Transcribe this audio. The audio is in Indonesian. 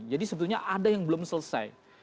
jadi sebetulnya ada yang belum selesai